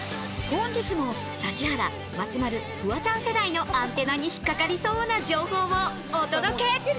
本日も指原、松丸、フワちゃん世代のアンテナに引っかかりそうな情報をお届け。